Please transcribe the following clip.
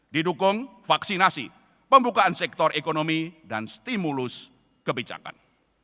didukung vaksinasi pembukaan sektor ekonomi dan stimulus kebijakan